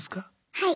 はい。